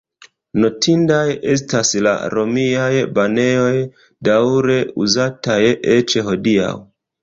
Notindaj estas la romiaj banejoj, daŭre uzataj eĉ hodiaŭ.